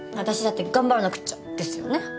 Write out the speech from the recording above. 私だって頑張らなくっちゃですよね。